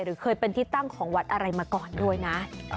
เคยเป็นที่ตั้งของวัดอะไรมาก่อนด้วยนะ